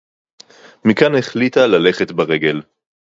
מִכָּאן הֶחֱלִיטָה לָלֶכֶת בָּרֶגֶל.